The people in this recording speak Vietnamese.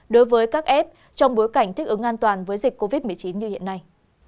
đối với các f trong bối cảnh thích ứng an toàn với dịch covid một mươi chín như hiện nay